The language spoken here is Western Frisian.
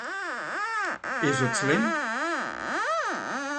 Is it slim?